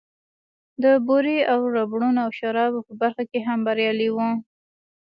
د بورې او ربړونو او شرابو په برخه کې هم بريالی و.